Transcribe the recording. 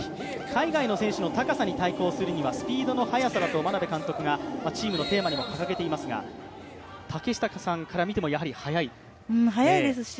海外の選手の高さに対抗するには、スピードの速さだと眞鍋監督がチームのテーマにも掲げていますが竹下さんから見ても、やはり速いですか？